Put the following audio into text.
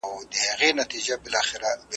له تارونو دي را وایستل تورونه `